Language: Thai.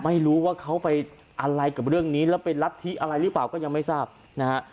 ไม่รู้ว่าเขาไปอะไรกับเรื่องนี้แล้วเป็นรัฐธิอะไรหรือเปล่าก็ยังไม่ทราบนะฮะ